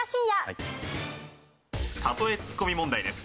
「例えツッコミ問題です」